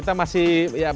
terima kasih pak henry